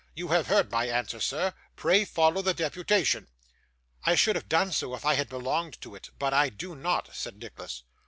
You have heard my answer, sir. Pray follow the deputation.' 'I should have done so, if I had belonged to it, but I do not,' said Nicholas.